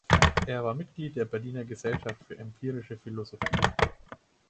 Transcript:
Er war Mitglied der Berliner Gesellschaft für empirische Philosophie.